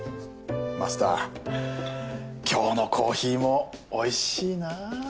マスター今日のコーヒーもおいしいなぁ。